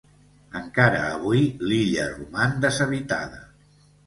Encara avui, l’illa roman deshabitada.